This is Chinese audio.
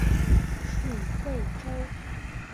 属桂州。